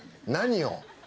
何を？